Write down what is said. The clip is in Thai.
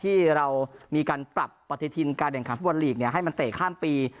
อย่างต่อเนื่องหลังจากที่เรามีการปรับประติธินการแด่งขัมฟุตบอลลีกเนี่ยให้มันแตะข้ามปี